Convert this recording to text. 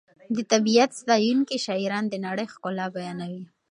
د طبیعت ستایونکي شاعران د نړۍ ښکلا بیانوي.